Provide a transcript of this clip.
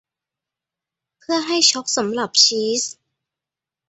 เพื่อให้ชอล์กสำหรับชีส